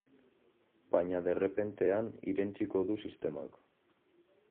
Baina derrepentean irentsiko du sistemak.